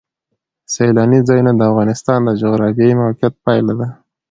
سیلانی ځایونه د افغانستان د جغرافیایي موقیعت پایله ده.